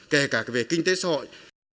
kể cả về kinh tế xã hội